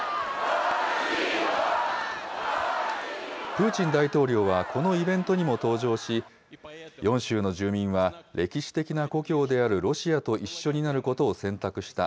プーチン大統領はこのイベントにも登場し、４州の住民は歴史的な故郷であるロシアと一緒になることを選択した。